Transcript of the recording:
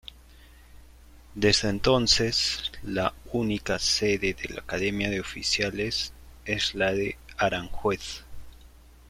Desde entonces la única sede de la Academia de Oficiales es la de Aranjuez.